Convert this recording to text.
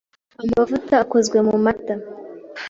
Amavuta akozwe mu mata.